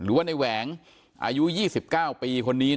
หรือว่าในแหวงอายุ๒๙ปีคนนี้